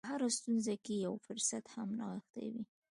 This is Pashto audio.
په هره ستونزه کې یو فرصت هم نغښتی وي